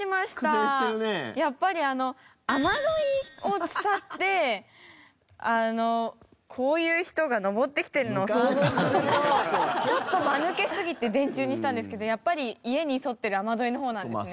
やっぱりあの雨どいを伝ってこういう人が登ってきてるのを想像するとちょっとマヌケすぎて電柱にしたんですけどやっぱり家に沿ってる雨どいの方なんですね。